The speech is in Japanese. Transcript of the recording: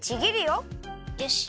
よし！